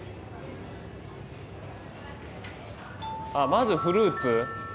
あっまずフルーツ？